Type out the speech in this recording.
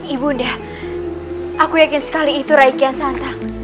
ibu unda aku yakin sekali itu rai kian santang